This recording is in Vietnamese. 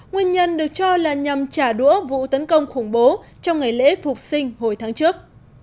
nguyên nhân được cho là nhằm trả đũa vụ tấn công khủng bố trong ngày lễ phục sinh hồi tháng trước